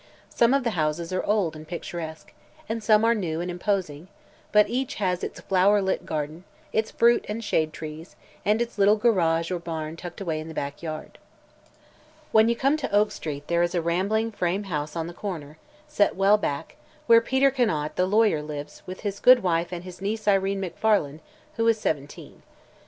Some of the houses are old and picturesque, and some are new and imposing, but each has its flower lit garden, its fruit and shade trees and its little garage or barn tucked away in the back yard. When you come to Oak Street there is a rambling frame house on the corner, set well back, where Peter Conant, the lawyer, lives with his good wife and his niece Irene Macfarlane, who is seventeen.